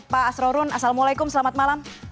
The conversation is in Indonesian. pak asrorun assalamualaikum selamat malam